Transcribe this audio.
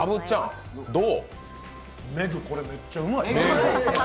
めぐ、これめっちゃうまい。